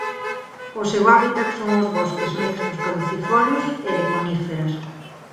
O seu hábitat son os bosques mixtos caducifolios e de coníferas.